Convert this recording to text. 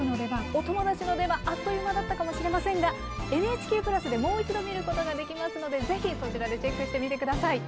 お友達の出番あっという間だったかもしれませんが、ＮＨＫプラスでもう一度見ることができますのでぜひ、そちらでチェックしてみてください。